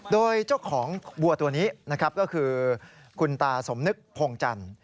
โดยเจ้าของวัวตัวนี้นะครับก็คือคุณตาสมนึกพงจันทร์